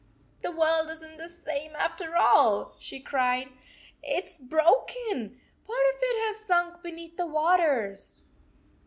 "The world is n t the same after all," she cried. "It s broken! Part of it has sunk beneath the waters!"